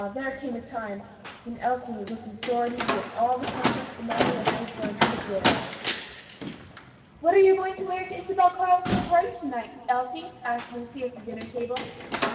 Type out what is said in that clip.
there came a time when Elsie had sore need of all the comfort the memory of those words could give. "What are you going to wear to Isabel Carleton's party, to night, Elsie?" asked Lucy, at the dinner table.